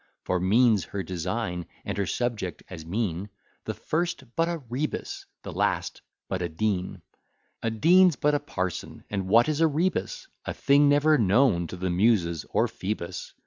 For mean's her design, and her subject as mean, The first but a rebus, the last but a dean. A dean's but a parson: and what is a rebus? A thing never known to the Muses or Phoebus.